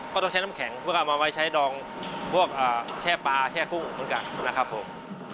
ก็ต้องใช้น้ำแข็งเพื่อเอามาไว้ใช้ดองพวกแช่ปลาแช่กุ้งเหมือนกันนะครับผม